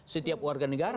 setiap warga negara